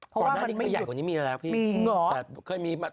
ก่อนหน้านี้เคยใหญ่กว่านี้มีมาแล้วพี่